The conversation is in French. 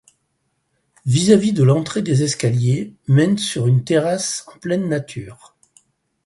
Vis-à-vis de l'entrée des escaliers mènent sur une terrasse en pleine nature.